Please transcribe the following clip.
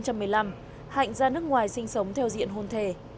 hạnh ra nước ngoài sinh sống theo diện hôn thề